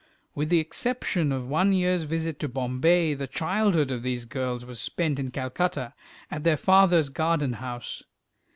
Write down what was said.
With the exception of one year's visit to Bombay, the childhood of these girls was spent in Calcutta, at their father's garden house.